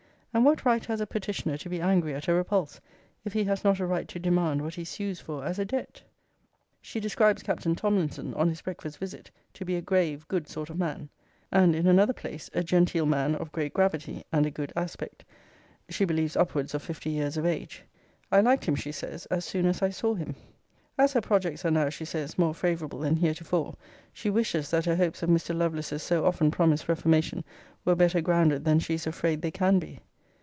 And what right has a petitioner to be angry at a repulse, if he has not a right to demand what he sues for as a debt? [She describes Captain Tomlinson, on his breakfast visit, to be, a grave, good sort of man. And in another place, a genteel man of great gravity, and a good aspect; she believes upwards of fifty years of age. 'I liked him, says she, as soon as I saw him.' As her projects are now, she says, more favourable than heretofore, she wishes, that her hopes of Mr. Lovelace's so often promised reformation were better grounded than she is afraid they can be.